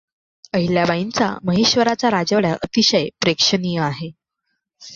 अहिल्याबाईंचा महेश्वरचा राजवाडा अतिशय प्रेक्षणीय आहे.